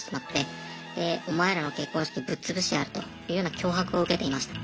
でお前らの結婚式ぶっつぶしてやるというような脅迫を受けていました。